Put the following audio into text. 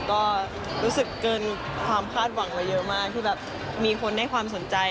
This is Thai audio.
ก็รู้สึกเกินความคาดหวังเราเยอะมากคือแบบมีคนให้ความสนใจ